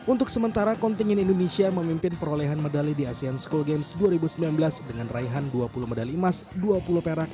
untuk sementara kontingen indonesia memimpin perolehan medali di asean school games dua ribu sembilan belas dengan raihan dua puluh medali emas dua puluh perak